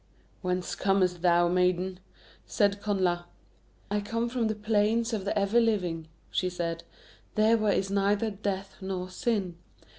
"Whence comest thou, maiden?" said Connla. "I come from the Plains of the Ever Living," she said, "there where is neither death nor sin.